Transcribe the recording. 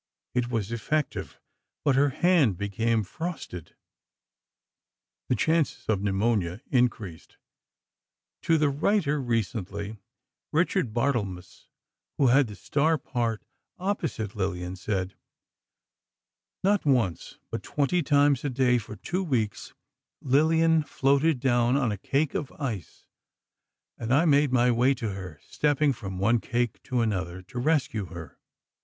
It was effective, but her hand became frosted; the chances of pneumonia increased. To the writer, recently, Richard Barthelmess, who had the star part opposite Lillian, said: "Not once, but twenty times a day, for two weeks, Lillian floated down on a cake of ice, and I made my way to her, stepping from one cake to another, to rescue her.